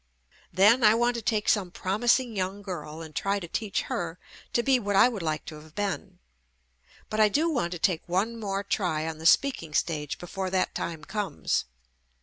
Then I want to take some promising young girl and try to teach her to be what I would like to have been. But I do want to take one more try on the speaking stage before that time comes.